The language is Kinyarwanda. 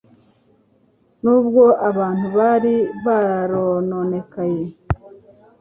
Nubwo abantu bari barononekaye,